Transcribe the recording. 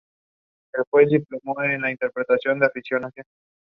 He had two daughters, a stepson, two grandsons, and a great-grandson.